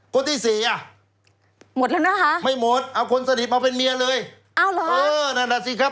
คนที่สี่อ่ะหมดแล้วนะคะไม่หมดเอาคนสนิทมาเป็นเมียเลยเอาเหรอเออนั่นน่ะสิครับ